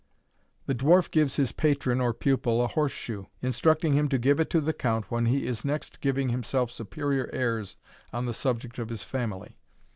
The dwarf gives his patron or pupil a horse shoe, instructing him to give it to the count when he is next giving himself superior airs on the subject of his family.